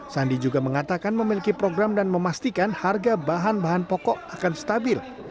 sandi juga mengatakan memiliki program dan memastikan harga bahan bahan pokok akan stabil